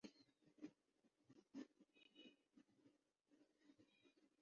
یہاں پیمان تسلیم و رضا ایسے نہیں ہوتا